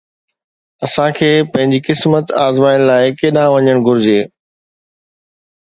اسان کي پنهنجي قسمت آزمائڻ لاءِ ڪيڏانهن وڃڻ گهرجي؟